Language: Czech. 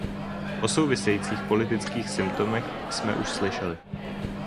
O souvisejících politických symptomech jsme už slyšeli.